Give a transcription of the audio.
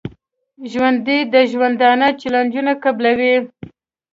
ژوندي د ژوندانه چیلنجونه قبلوي